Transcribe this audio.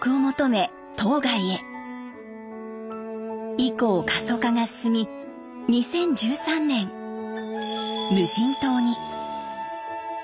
以降過疎化が進み２０１３年無人島に。